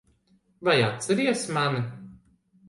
Vai atceries mani?